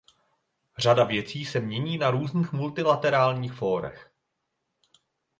Řada věcí se mění na různých multilaterálních fórech.